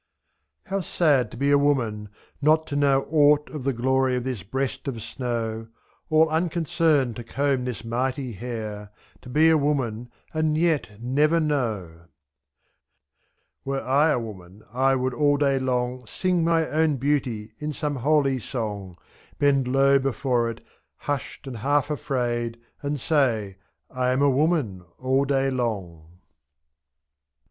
45 How sad to be a woman — not to know Aught of the glory of this breast of snow^ %%, All unconcerned to comb this mighty hair; To be a woman and yet never know! Were I a woman^ I would all day long Sing my own beauty in some holy songy S3* Bend low before it, hushed and half afraid^ And say "/ am a woman " all day long.